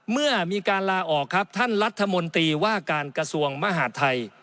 เมื่อมีการลาออกครับท่านรัฐมนตรีว่าการกระทรวงมหาดไทย